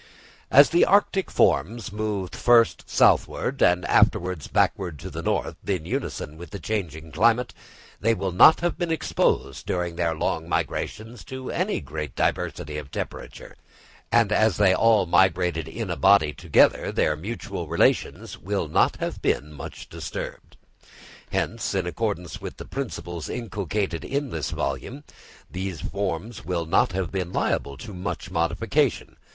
As the arctic forms moved first southward and afterwards backward to the north, in unison with the changing climate, they will not have been exposed during their long migrations to any great diversity of temperature; and as they all migrated in a body together, their mutual relations will not have been much disturbed. Hence, in accordance with the principles inculcated in this volume, these forms will not have been liable to much modification.